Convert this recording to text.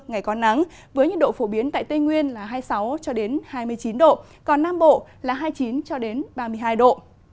ngày có nắng với nhiệt độ phổ biến tại tây nguyên là hai mươi sáu cho đến hai mươi chín độ còn nam bộ là hai mươi chín ba mươi hai độ